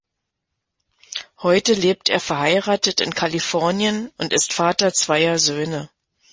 Heute lebt er verheiratet in Kalifornien und ist Vater zweier Söhne.